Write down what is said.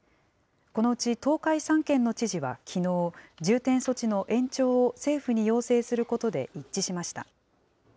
このうち東海３県の知事はきのう、重点措置の延長を政府に要請することで一致しました。